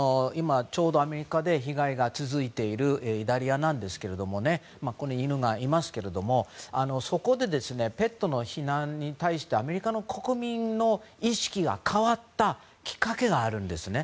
ちょうどアメリカで被害が続いているイダリアですが犬がいますけどそこでペットの避難に対してアメリカの国民の意識が変わったきっかけがあるんですね。